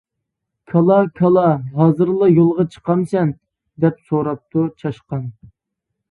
-كالا، كالا، ھازىرلا يولغا چىقامسەن؟ ، -دەپ سوراپتۇ چاشقان.